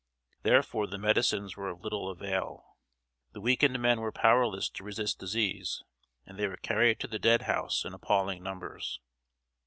Therefore the medicines were of little avail. The weakened men were powerless to resist disease, and they were carried to the dead house in appalling numbers.